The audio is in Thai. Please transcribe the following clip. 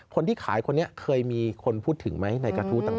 คนที่ขายคนนี้เคยมีคนพูดถึงไหมในกระทู้ต่าง